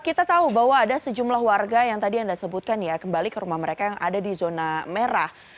kita tahu bahwa ada sejumlah warga yang tadi anda sebutkan ya kembali ke rumah mereka yang ada di zona merah